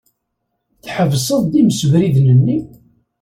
Tḥebseḍ-d imsebriden-nni.